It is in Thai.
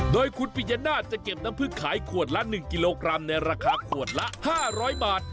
โดยคุณปิยนาศจะเก็บน้ำผึกขายขวดละ๑กิโลกรัมในราคาขวดละ๕๐๐บาท